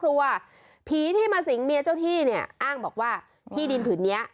เพราะว่าผีที่มาสิงเมียเจ้าที่อ้างบอกว่าที่ดินผิดนี้